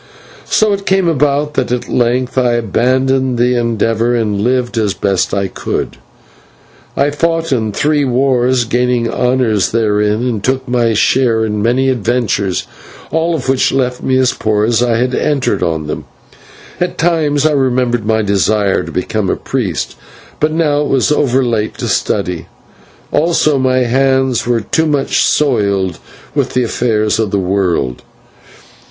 So it came about that at length I abandoned the endeavour, and lived as best I could. I fought in three wars, and gained honours therein, and took my share in many adventures, all of which left me as poor as I had entered on them. At times I remembered my desire to become a priest, but now it was over late to study; also my hands were too much soiled with the affairs of the world.